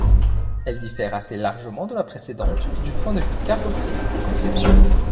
Elle diffère assez largement de la précédente, du point de vue carrosserie et conception.